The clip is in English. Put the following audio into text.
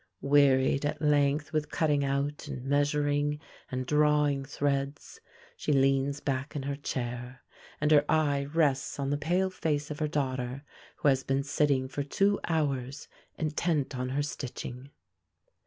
Wearied at length with cutting out, and measuring, and drawing threads, she leans back in her chair, and her eye rests on the pale face of her daughter, who has been sitting for two hours intent on her stitching.